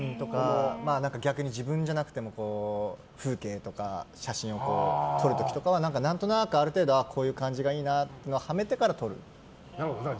逆に自分じゃなくても風景とか写真を撮る時とかは何となく、ある程度こういう感じがいいなというのをはめてから撮る。